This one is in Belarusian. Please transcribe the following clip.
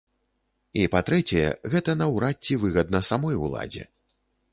І па-трэцяе, гэта наўрад ці выгадна самой уладзе.